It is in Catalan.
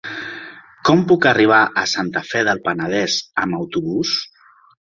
Com puc arribar a Santa Fe del Penedès amb autobús?